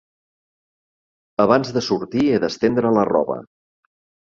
Abans de sortir he d'estendre la roba.